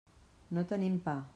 No tenim pa.